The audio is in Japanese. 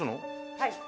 はい。